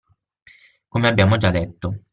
Come abbiamo già detto.